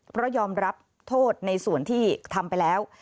เพราะยอมรับโทษในส่วนที่ทำไปแล้ว